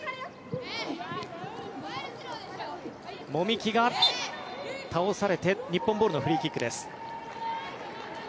籾木が倒されて日本ボールのフリーキックです。